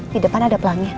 di depan ada pelangnya